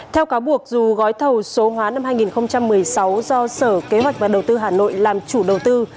theo cáo buộc dù gói thầu số hóa năm hai nghìn một mươi sáu do sở kế hoạch và đầu tư hà nội làm chủ đầu tư